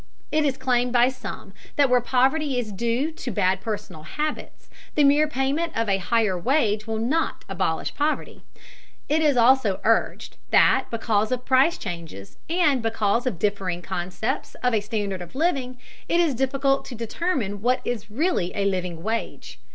It is claimed by some that where poverty is due to bad personal habits, the mere payment of a higher wage will not abolish poverty. It is also urged that because of price changes, and because of differing concepts of a standard of living, it is difficult to determine what is really a living wage.